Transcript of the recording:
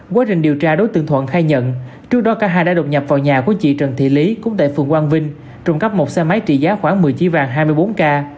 quá trình điều tra đối tượng thuận khai nhận trước đó cả hai đã đột nhập vào nhà của chị trần thị lý cũng tại phường quang vinh trộm cắp một xe máy trị giá khoảng một mươi chỉ vàng hai mươi bốn k